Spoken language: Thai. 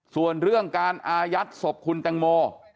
ส่วนเรื่องการอายัดศพคุณแตงโม